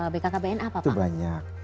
bkkbn apa pak itu banyak